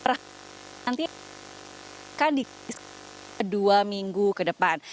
akan dikandikan di dua minggu ke depan